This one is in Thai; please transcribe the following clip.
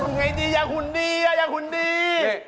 มึงไงดีอย่าขุนดีอย่าขุนดี